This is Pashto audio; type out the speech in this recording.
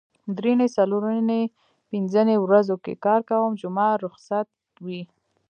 درېنۍ څلورنۍ پینځنۍ ورځو کې کار کوم جمعه روخصت وي